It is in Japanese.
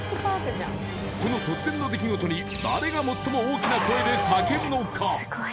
この突然の出来事に誰が最も大きな声で叫ぶのか？